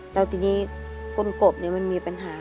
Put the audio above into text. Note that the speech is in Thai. แล้วทีนี้ก้นกบมันมีปัญหา